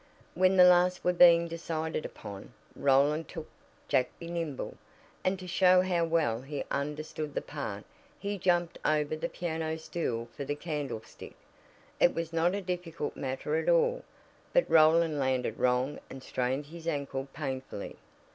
When the last were being decided upon, Roland took "Jack Be Nimble," and to show how well he understood the part he jumped over the piano stool for the "candlestick." It was not a difficult matter at all, but Roland landed wrong and strained his ankle painfully.